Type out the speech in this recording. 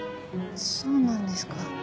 そうなんですか。